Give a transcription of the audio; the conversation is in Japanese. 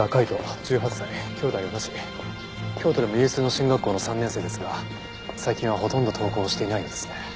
京都でも有数の進学校の３年生ですが最近はほとんど登校していないようです。